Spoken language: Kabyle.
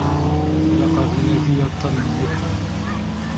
Ilaq ad inadi aṭṭanen nniḍen.